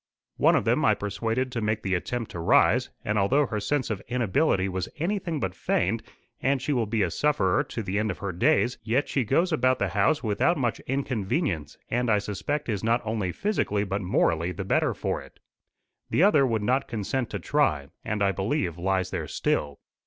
One of them I persuaded to make the attempt to rise, and although her sense of inability was anything but feigned, and she will be a sufferer to the end of her days, yet she goes about the house without much inconvenience, and I suspect is not only physically but morally the better for it. The other would not consent to try, and I believe lies there still."